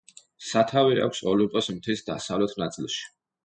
სათავე აქვს ოლიმპოს მთის დასავლეთ ნაწილში.